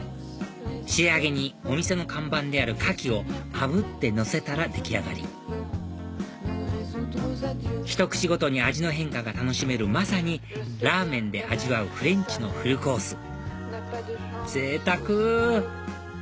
仕上げにお店の看板である牡蠣をあぶってのせたら出来上がりひと口ごとに味の変化が楽しめるまさにラーメンで味わうフレンチのフルコースぜいたく！